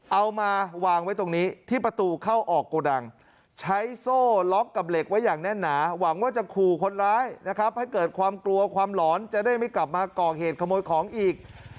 เอามาวางไว้ตรงนี้ที่ประตูเข้าออกโกดังใช้โซ่ล็อกกับเหล็กไว้อย่างแน่นหนาหวังว่าจะขู่คนร้ายนะครับให้เกิดความกลัวความหลอนจะได้ไม่กลับมาก่อเหตุขโมยของอีก